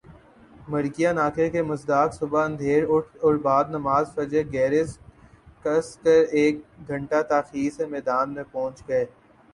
مر کیا نا کر کے مصداق صبح ہ اندھیر اٹھ اور بعد نماز فجر گیرز کس کر ایک گھنٹہ تاخیر سے میدان میں پہنچ گ